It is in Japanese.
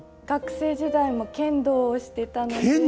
学生時代も剣道をしてたので。